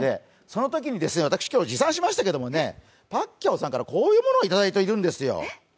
そのときに、私、今日、持参しましたけれどもねパッキャオさんからこういうものをいただいているんですよ。